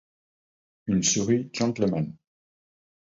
Une souris gentleman.